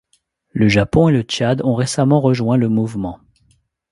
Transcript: Le Japon et le Tchad ont récemment rejoint le mouvement.